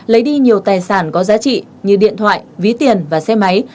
lấy đi nhiều tài sản có giá trị như điện thoại ví tiền và xe máy